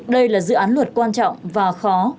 đây là dự án luật quan trọng và khó